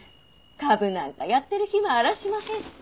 株なんかやってる暇あらしまへん。